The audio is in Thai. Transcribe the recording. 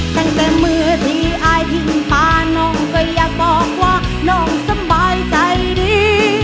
ตั้งแต่เมื่อที่อายยิงปลาน้องก็อยากบอกว่าน้องสบายใจดี